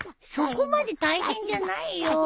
そこまで大変じゃないよ。